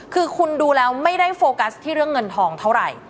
คือคุณดูแล้วไม่ได้โฟกัสที่เรื่องเงินทองเท่าไหร่